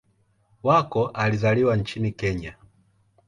Wako alizaliwa nchini Kenya.